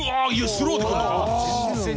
スローで来るのか。